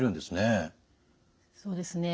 そうですね。